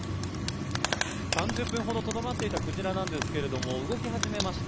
３０分ほどとどまっていたクジラなんですが動き始めました。